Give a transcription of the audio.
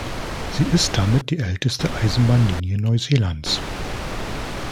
Sie ist damit die älteste Eisenbahnlinie Neuseelands.